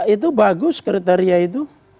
itu bagus kriteria itu